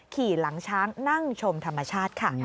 ขี่หลังช้างนั่งชมธรรมชาติค่ะ